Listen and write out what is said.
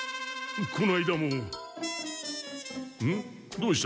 どうした？